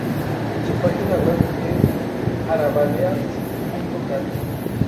Su página web es arabalears.cat.